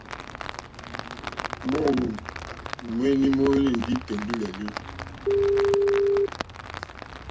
Móǒhwò ŋméní móhwélì ndí tèŋɡí!lélí.